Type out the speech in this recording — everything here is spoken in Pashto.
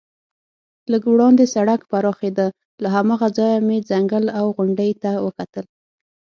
لږ وړاندې سړک پراخېده، له هماغه ځایه مې ځنګل او غونډۍ ته وکتل.